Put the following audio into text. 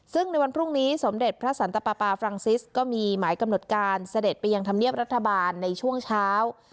ซึ่งในวันพรุ่งนี้สมเด็จพระสันตปาปาฟรังซิสก็มีหมายกำหนดการเสด็จไปยังธรรมเนียบรัฐบาลในช่วงเช้า